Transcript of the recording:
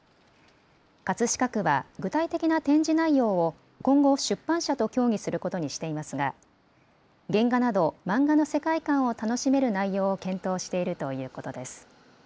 葛飾区は具体的な展示内容を今後、出版社と協議することにしていますが、原画など漫画の世界観を楽しめる内容を検討しているということです。